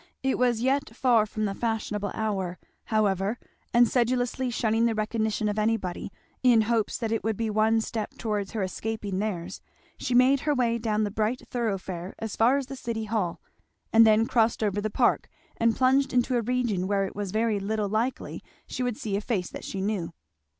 It was yet far from the fashionable hour, however, and sedulously shunning the recognition of anybody, in hopes that it would be one step towards her escaping theirs, she made her way down the bright thoroughfare as far as the City Hall, and then crossed over the Park and plunged into a region where it was very little likely she would see a face that she knew.